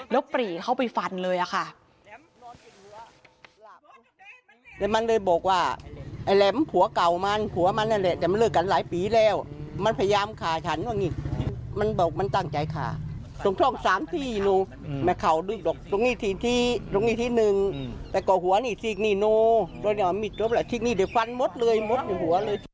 แล้วปรีเข้าไปฟันเลยค่ะ